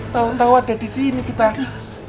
tahu tahu ada disini kita